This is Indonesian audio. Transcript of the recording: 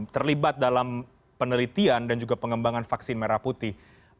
terlibat dalam penelitian dan juga pengembangan vaksin merah putih